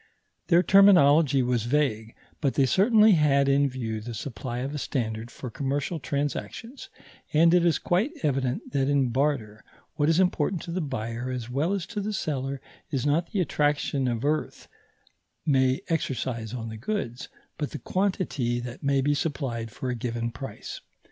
Their terminology was vague, but they certainly had in view the supply of a standard for commercial transactions, and it is quite evident that in barter what is important to the buyer as well as to the seller is not the attraction the earth may exercise on the goods, but the quantity that may be supplied for a given price.